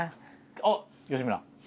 あっ吉村。